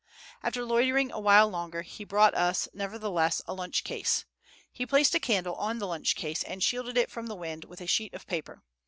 After loitering a while longer, he brought us, nevertheless, a lunch case; he placed a candle on the lunch case, and shielded it from the wind with a sheet of paper.